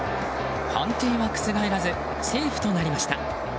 判定は覆らずセーフとなりました。